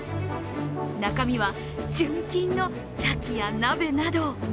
中身は、純金の茶器や鍋など。